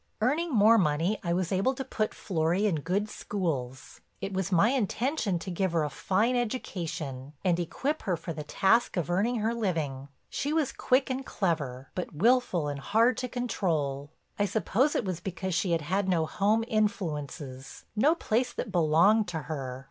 "Earning more money I was able to put Florry in good schools. It was my intention to give her a fine education, and equip her for the task of earning her living. She was quick and clever, but willful and hard to control. I suppose it was because she had had no home influences, no place that belonged to her.